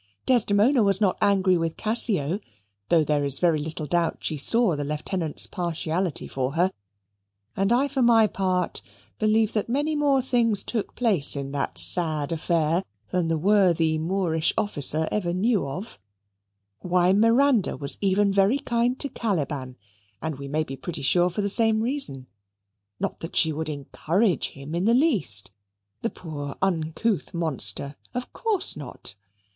Desdemona was not angry with Cassio, though there is very little doubt she saw the Lieutenant's partiality for her (and I for my part believe that many more things took place in that sad affair than the worthy Moorish officer ever knew of); why, Miranda was even very kind to Caliban, and we may be pretty sure for the same reason. Not that she would encourage him in the least the poor uncouth monster of course not.